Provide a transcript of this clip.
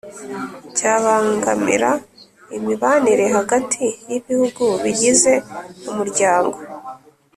cyabangamira imibanire hagati y'ibihugu bigize umuryango.